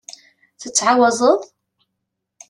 Tettɛawazeḍ?